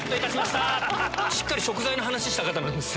しっかり食材の話した方です。